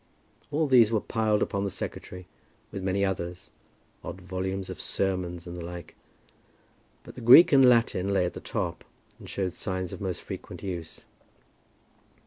All these were piled upon the secretary, with many others, odd volumes of sermons and the like; but the Greek and Latin lay at the top, and showed signs of most frequent use.